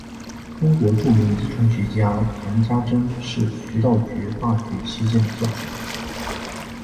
中国著名遗传学家谈家桢是徐道觉大学期间的教授。